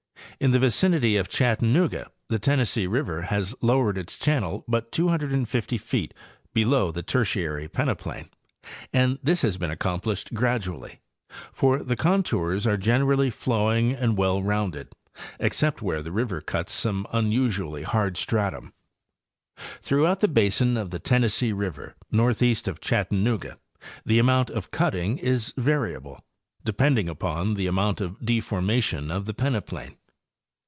In the vicinity of Chattanooga the Tennessee river has lowered its channel but 250 feet below the Tertiary peneplain, and this has been accomplished gradually, for the contours are generally flowing and well rounded, except where the river cuts some un usually hard stratum. Throughout the basin of the Tennessee river northeast of Chattanooga the amount of cutting is variable, depending upon the amount of deformation of the peneplain.